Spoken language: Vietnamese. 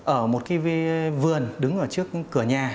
ở một cái vườn đứng ở trước cửa nhà